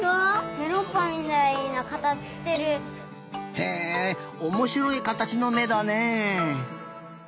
へえおもしろいかたちのめだね。